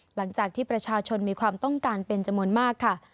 หลังจากที่ประชาชนมีความต้องการเป็นจำนวนมากค่ะ